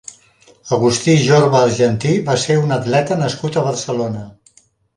Agustí Jorba Argentí va ser un atleta nascut a Barcelona.